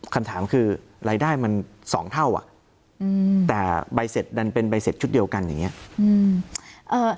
คำถามคือรายได้มัน๒เท่าอ่ะแต่ใบเสร็จดันเป็นใบเสร็จชุดเดียวกันอย่างนี้